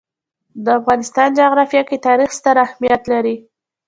د افغانستان جغرافیه کې تاریخ ستر اهمیت لري.